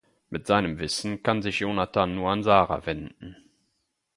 Mit seinem Wissen kann sich Jonathan nur an Sarah wenden.